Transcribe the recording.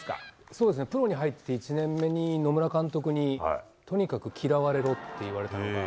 そうですね、プロに入って１年目に、野村監督に、とにかく嫌われろって言われたのが。